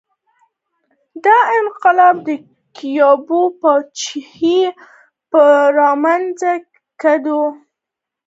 دا انقلاب د کیوبا پاچاهۍ په رامنځته کېدو تمام شو